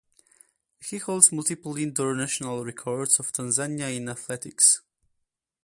He holds multiple indoor national records of Tanzania in athletics.